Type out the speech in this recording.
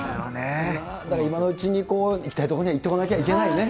だから今のうちに、行きたい所には行っとかなきゃいけないね。